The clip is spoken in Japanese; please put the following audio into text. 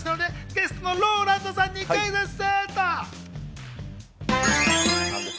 ゲストのＲＯＬＡＮＤさんにクイズッス。